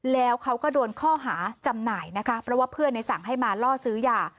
แล้วเขาก็โดนข้อหาจำหน่ายนะคะเพราะว่าเพื่อนในสั่งให้มาล่อซื้อยา